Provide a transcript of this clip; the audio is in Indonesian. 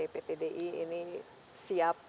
pt di ini siap